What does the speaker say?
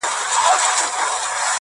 بيزو وان پكښي تنها ولاړ هك پك وو.!